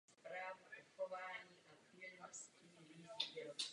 Vrchol Čierny kameň je turisticky nepřístupný.